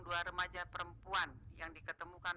dua remaja perempuan yang diketemukan